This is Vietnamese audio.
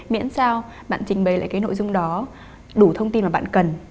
miễn sao bạn trình bày lại cái nội dung đó đủ thông tin mà bạn cần